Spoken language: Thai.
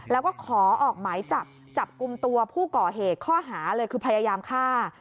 แล้วก็ขอออกหมายจับจับกลุ่มตัวผู้ก่อเหตุข้อหาเลยคือพยายามฆ่า